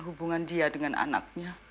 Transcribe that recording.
kita berniat dengan anaknya